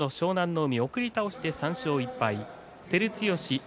海、送り倒しで３勝１敗。